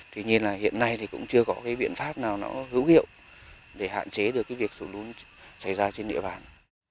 tuy nhiên là hiện nay thì cũng chưa có cái biện pháp nào nó hữu hiệu để hạn chế được cái việc sụt lún xảy ra trên địa bàn